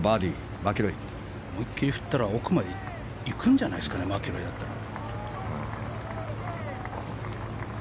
思いっきり振ったら奥まで行くんじゃないですかマキロイだったら。